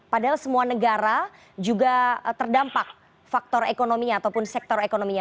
padahal semua negara juga terdampak faktor ekonominya ataupun sektor ekonominya